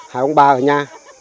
hai ông ba ở nhà